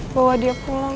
bawa dia pulang